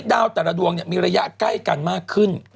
แต่ละดวงมีระยะใกล้กันมากขึ้น